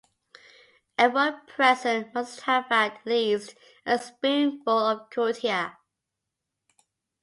Everyone present must have at least a spoonful of kutia.